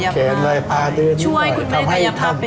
กระยะภาพไป